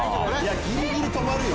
ギリギリ止まるよ。